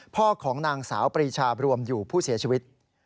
ของนางสาวปรีชารวมอยู่ผู้เสียชีวิต